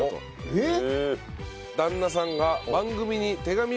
えっ！